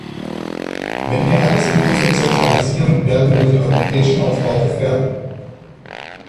Wenn wir alles in Brüssel zentralisieren, werden wir den europäischen Aufbau gefährden.